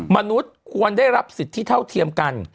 มนุษย์ควรได้รับสิทธิ์ที่เท่าเทียมกัน